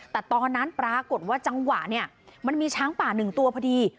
แต่ตอนนั้นปรากฏว่าจังหวะเนี่ยมันมีช้างป่า๑ตัวพอดี